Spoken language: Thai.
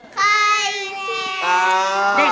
ไฟแล้ว